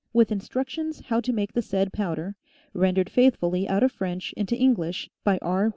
With Instructions how to make the said Powder. Rendered faithfully out of French into English by R.